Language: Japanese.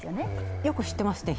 よく知ってますね。